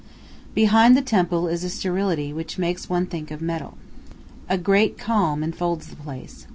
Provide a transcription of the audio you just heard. Behind the temple is a sterility which makes one think of metal. A great calm enfolds the place.